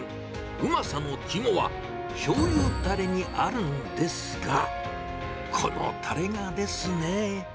うまさの肝はしょうゆたれにあるんですが、このたれがですね。